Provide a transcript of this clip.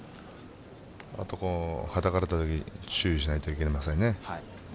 はたかれたときに注意しないといけませんね。